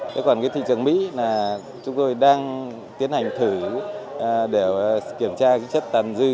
thế còn cái thị trường mỹ là chúng tôi đang tiến hành thử để kiểm tra cái chất tàn dư